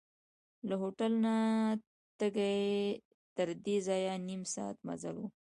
له هوټل نه تردې ځایه نیم ساعت مزل و.